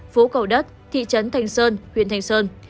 phố cầu đất thị trấn thành sơn huyện thành sơn